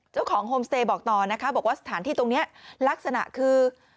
โฮมสเตย์บอกต่อนะคะบอกว่าสถานที่ตรงนี้ลักษณะคือ